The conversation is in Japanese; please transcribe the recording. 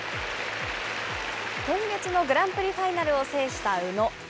今月のグランプリファイナルを制した宇野。